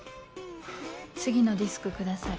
次のディスクください。